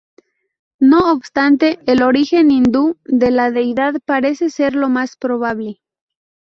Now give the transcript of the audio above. No obstante, el origen hindú de la deidad parece ser lo más probable.